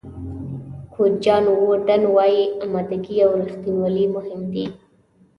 کوچ جان ووډن وایي آمادګي او رښتینولي مهم دي.